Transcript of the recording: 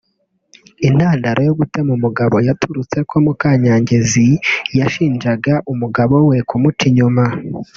Intandaro yo gutema umugabo yaturutse ko Mukanyangezi yashinjaga umugabo we kumuca inyuma